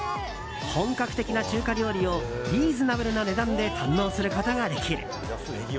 本格的な中華料理をリーズナブルな値段で堪能することができる。